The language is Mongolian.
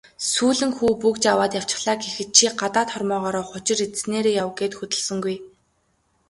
"Сүүлэн хүү бөгж аваад явчихлаа" гэхэд "Чи гадаад хормойгоор хужир идсэнээрээ яв" гээд хөдөлсөнгүй.